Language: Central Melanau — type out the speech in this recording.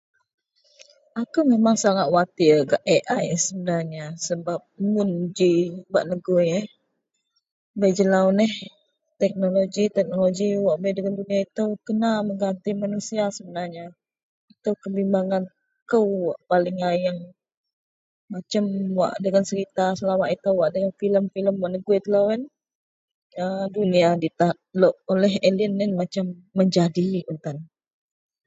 Akou memang sangat watir gak AI sebenarnya sebab mun ji bak negui eh, bei jelau neh teknoloji-teknoloji wak bei dagen dunia itou kena mengati manusia sebenarnya, itou kebimbangan kou wak paling ayeng, macem wak dagen serita selamak itou wak dagen filem-filem wak negui telou yen, a dunia ditakluk oleh alien yen macem menjadi kawak tan.